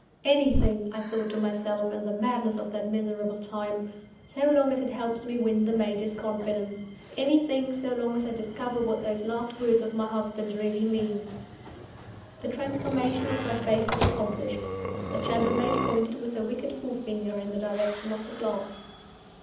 "Anything" (I thought to myself, in the madness of that miserable time) "so long as it helps me to win the Major's confidence! Anything, so long as I discover what those last words of my husband's really mean!" The transformation of my face was accomplished. The chambermaid pointed with her wicked forefinger in the direction of the glass.